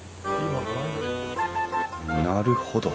なるほど。